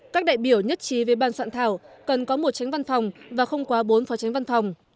các đại biểu nhất trí với ban soạn thảo cần có một tránh văn phòng và không quá bốn phó tránh văn phòng